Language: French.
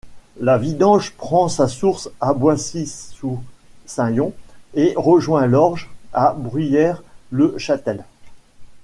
La Vidange prend sa source à Boissy-sous-Saint-Yon et rejoint l'Orge à Bruyères-le-Châtel.